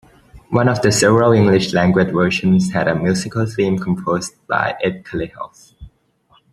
One of the several English-language versions had a musical theme composed by Edd Kalehoff.